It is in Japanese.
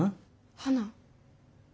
花？